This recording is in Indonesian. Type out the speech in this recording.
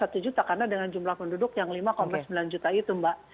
satu juta karena dengan jumlah penduduk yang lima sembilan juta itu mbak